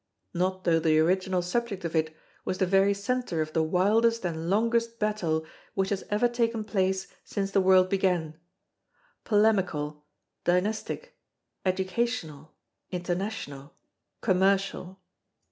Not though the original subject of it was the very centre of the wildest and longest battle which has ever taken place since the world began polemical, dynastic, educational, international, commercial.